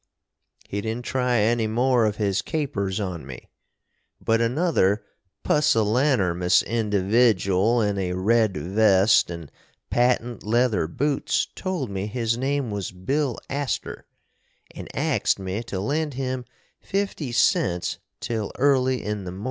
He didn't try any more of his capers on me. But another pussylanermuss individooul in a red vest and patent leather boots told me his name was Bill Astor & axed me to lend him 50 cents till early in the mornin.